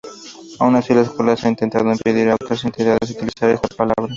Aun así, la escuela ha intentado impedir a otras entidades utilizar esta palabra.